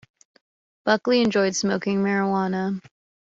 Buckley enjoyed smoking marijuana.